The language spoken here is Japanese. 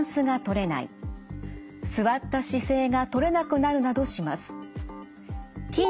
座った姿勢がとれなくなるなどします。